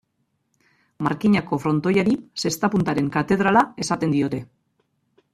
Markinako frontoiari, zesta-puntaren katedrala esaten diote.